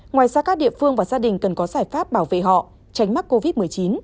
ngoài ra các địa phương và gia đình cần có giải pháp bảo vệ họ tránh mắc covid một mươi chín